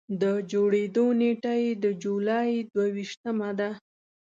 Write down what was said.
د جوړېدو نېټه یې د جولایي د دوه ویشتمه ده.